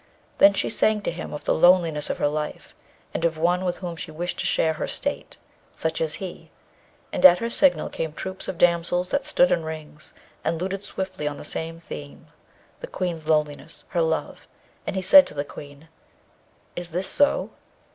Then she sang to him of the loneliness of her life, and of one with whom she wished to share her state, such as he. And at her signal came troops of damsels that stood in rings and luted sweetly on the same theme the Queen's loneliness, her love. And he said to the Queen, 'Is this so?'